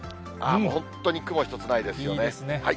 もう本当に雲一つないですよね。